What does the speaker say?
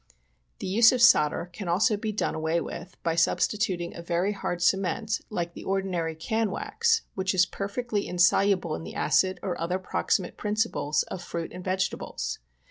The use of solder can also be done away with, by substituting a very hard cement like the ordi nary can wax, which is perfectly insoluble in the acid or other proximate principles of fruits and vegetables.